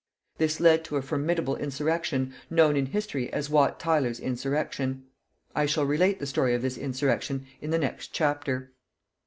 This led to a formidable insurrection, known in history as Wat Tyler's insurrection. I shall relate the story of this insurrection in the next chapter.